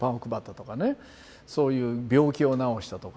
そういう病気を治したとか。